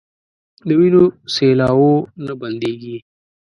د وينو سېلاوو نه بنديږي